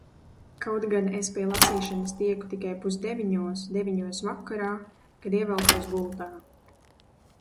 Kaut gan es pie lasīšanas tieku tikai pusdeviņos – deviņos vakarā, kad ievelkos gultā.